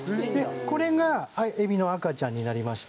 これがエビの赤ちゃんになりまして。